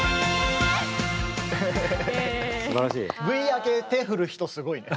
Ｖ明け手振る人すごいね。